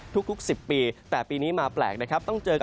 ทุก๑๐ปีแต่ปีนี้มาแปลกนะครับ